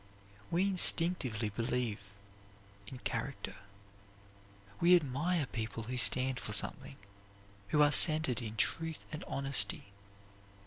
We instinctively believe in character. We admire people who stand for something; who are centered in truth and honesty.